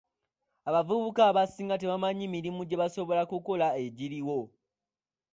Abavubuka abasinga tebamanyi mirimu gye basobola kukola egiriwo.